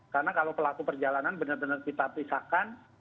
karena kalau pelaku perjalanan benar benar kita pisahkan